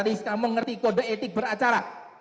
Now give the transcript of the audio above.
rizka mengerti kode etik beracara